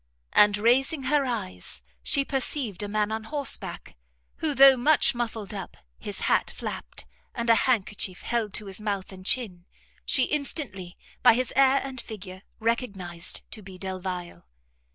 And, raising her eyes, she perceived a man on horseback, who, though much muffled up, his hat flapped, and a handkerchief held to his mouth and chin, she instantly, by his air and figure, recognized to be Delvile.